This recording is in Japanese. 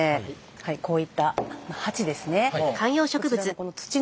はいこういった鉢ですね